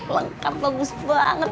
lengkap bagus banget